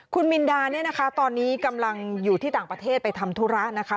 คุณมินดาเนี่ยนะคะตอนนี้กำลังอยู่ที่ต่างประเทศไปทำธุระนะคะ